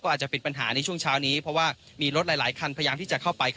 อาจจะเป็นปัญหาในช่วงเช้านี้เพราะว่ามีรถหลายคันพยายามที่จะเข้าไป